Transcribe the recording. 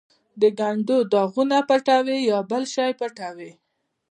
د ګناټو داغونه پټوې، یا بل شی پټوې؟